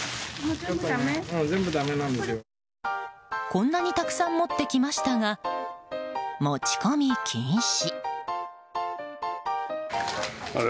こんなにたくさん持ってきましたが持ち込み禁止。